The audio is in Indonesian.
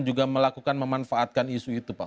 juga melakukan memanfaatkan isu itu pak